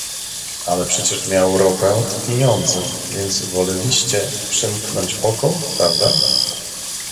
Ale przecież miał ropę i pieniądze, więc woleliście przymknąć oko, prawda?